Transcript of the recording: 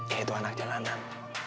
yaitu anak jalanan